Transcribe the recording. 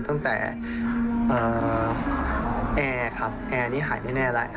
ตั้งแต่แอร์ครับแอร์นี่หายไม่แน่แล้ว